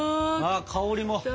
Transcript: あ香りも。